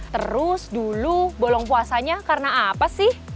terus dulu bolong puasanya karena apa sih